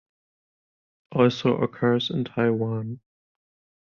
Also occurs in Taiwan.